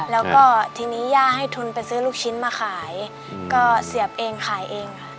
แล้วก็ทีนี้ย่าให้ทุนไปซื้อลูกชิ้นมาขายก็เสียบเองขายเองค่ะ